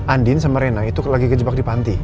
andin sama rena itu lagi kejebak di panti